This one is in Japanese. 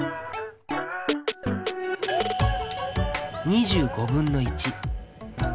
２５分の１。